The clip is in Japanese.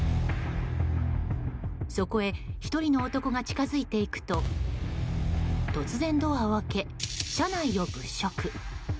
そこへ、１人の男が近づいていくと突然、ドアを開け車内を物色。